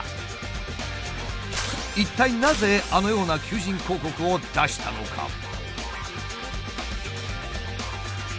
一体なぜあのような求人広告を出したのか？